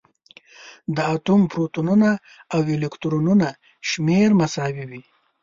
د اتوم پروتونونه او الکترونونه شمېر مساوي وي.